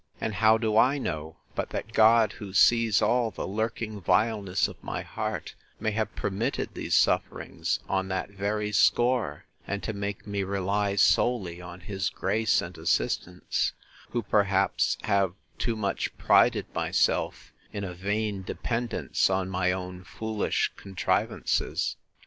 And how do I know, but that God, who sees all the lurking vileness of my heart, may have permitted these sufferings on that very score, and to make me rely solely on his grace and assistance, who, perhaps, have too much prided myself in a vain dependence on my own foolish contrivances?